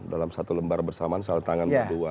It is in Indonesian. dalam satu lembar bersamaan salah tangan dua dua